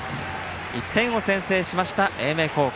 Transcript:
１点を先制しました、英明高校。